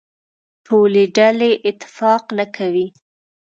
ټولې ډلې اتفاق نه کوي.